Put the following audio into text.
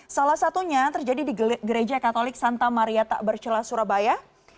salah satunya terjadi di gereja katolik santa maria takbercelah surabaya